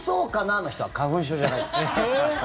の人は花粉症じゃないです。